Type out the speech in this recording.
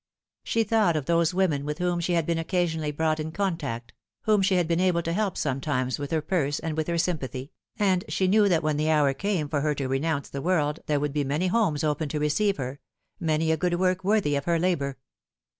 She thought of those women with whom she had been occasionally brought in contact, whom she had been able to help sometimes with her purse and with her sympathy, and she knew that when the hour came for her to renounce the world there would be many homes open to receive her, many a good work worthy of her labour.